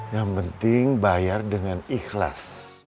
yang penting bayar dengan ikhlas